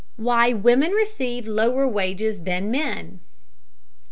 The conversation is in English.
WHY WOMEN RECEIVE LOWER WAGES THAN MEN.